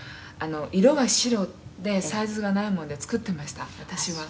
「色が白でサイズがないもんで作ってました私は」